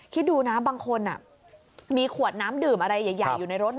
คิดดูนะบางคนมีขวดน้ำดื่มอะไรใหญ่อยู่ในรถ